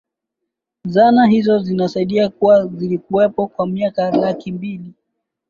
zana hizo zinasadikika kuwa zilikuwepo kwa miaka laki mbili